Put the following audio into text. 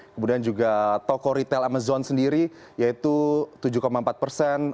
kemudian juga toko retail amazon sendiri yaitu tujuh empat persen